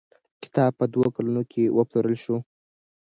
کتاب په دوو کلونو کې وپلورل شو.